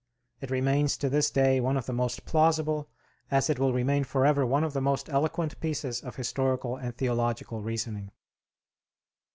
It remains to this day one of the most plausible, as it will remain forever one of the most eloquent pieces of historical and theological reasoning.